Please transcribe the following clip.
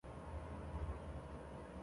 你才十二岁，你懂什么炒股？